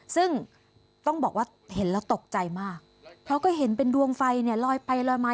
ซึ่งต้องบอกว่าเห็นแล้วตกใจมากเพราะก็เห็นเป็นดวงไฟเนี่ยลอยไปลอยมา